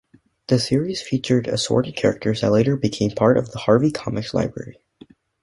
The series featured assorted characters that later became part of the Harvey Comics library.